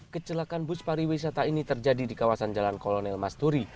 kecelakaan bus pariwisata ini terjadi di kawasan jalan kolonel masturi